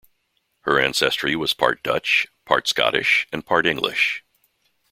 Her ancestry was part Dutch, part Scottish and part English.